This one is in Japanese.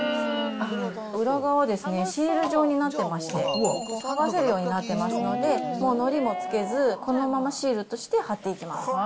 裏側はシール状になってまして、剥がせるようになってますので、もうのりもつけず、このままシールとして貼っていきます。